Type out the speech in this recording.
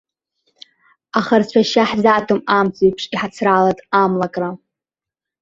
Аха рцәашьа ҳзаҭом амцеиԥш иҳацралаз амлакра.